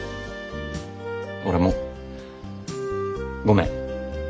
俺もごめん。